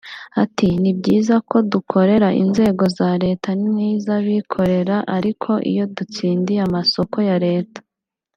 Ati “Ni byiza ko dukorera inzego za Leta n’iz’abikorera ariko iyo dutsindiye amasoko ya Leta